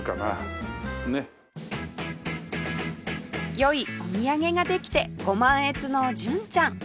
よいお土産ができてご満悦の純ちゃん